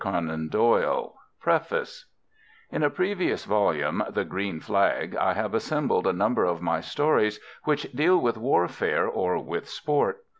PREFACE In a previous volume, "The Green Flag," I have assembled a number of my stories which deal with warfare or with sport.